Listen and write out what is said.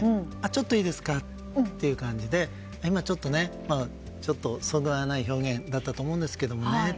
ちょっといいですか？という感じで今、ちょっとそぐわない表現だったと思うんですけどね